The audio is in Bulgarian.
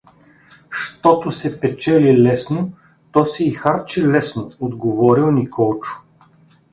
Щото се печели лесно, то се и харчи лесно отговорил Николчо.